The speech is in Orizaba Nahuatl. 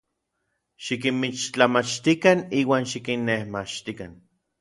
Xikinmixtlamachtikan iuan xikinnejmachtikan.